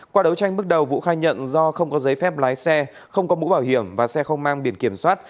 qua đấu tranh bước đầu vũ khai nhận do không có giấy phép lái xe không có mũ bảo hiểm và xe không mang biển kiểm soát